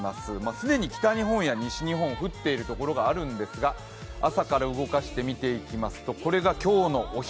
既に北日本や西日本、降っているところがあるんですが、朝から動かして、見ていきますとこれが今日のお昼。